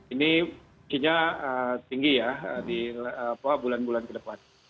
ini kinya tinggi ya di bulan bulan ke depan